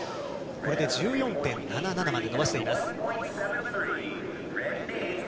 これで１４．７７まで伸ばしています。